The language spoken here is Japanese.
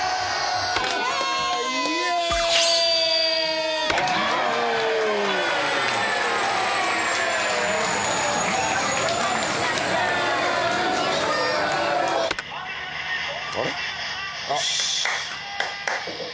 よし。